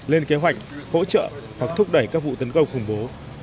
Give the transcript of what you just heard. lên kế hoạch hỗ trợ hoặc thúc đẩy các vụ tấn công khủng bố